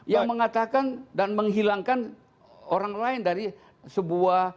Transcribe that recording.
yang mengatakan dan menghilangkan orang lain dari sebuah